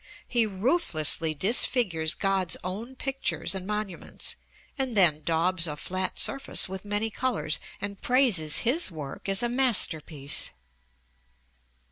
He ruthlessly disfigures God's own pictures and monuments, and then daubs a flat surface with many colors, and praises his work as a masterpiece!"